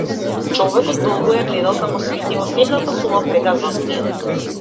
Човекот долго ја гледал како свети во темната соба пред да заспие.